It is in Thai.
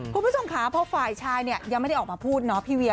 คุณผู้ชมคะเพราะฝ่ายชายยังไม่ได้ออกมาพูดนะพี่เวีย